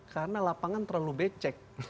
karena lapangan terlalu becek